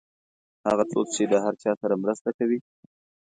هغه څوک چې د هر چا سره مرسته کوي.